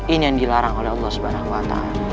ini yang dilarang oleh allah swt